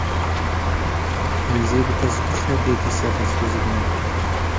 Ku hêzê bi dest bixe dê dîsa dest bi zilmê bike.